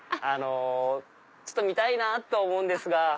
ちょっと見たいなぁと思うんですが。